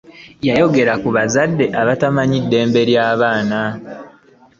Yayogera ku bazadde abatamanyi ddembe lya baana.